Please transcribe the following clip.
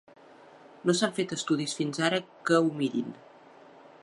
No s'han fet estudis fins ara que ho mirin.